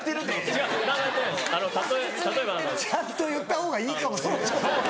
ちゃんと言ったほうがいいかもしれない。